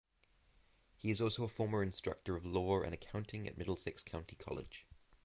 He is also a former instructor of law and accounting at Middlesex County College.